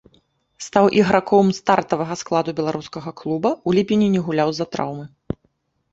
Стаў іграком стартавага складу беларускага клуба, у ліпені не гуляў з-за траўмы.